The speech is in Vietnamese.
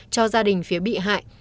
cho gia đình phía bị hại